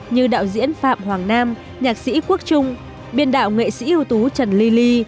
như đạo diễn phạm hoàng nam nhạc sĩ quốc trung biên đạo nghệ sĩ ưu tú trần ly ly